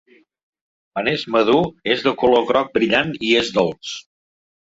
Quan és madur és de color groc brillant i és dolç.